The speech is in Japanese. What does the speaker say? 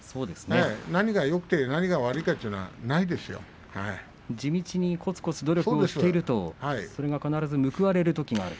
何がよくて何が悪いというのは地道にこつこつ努力しているとそれが必ず報われるときがあると。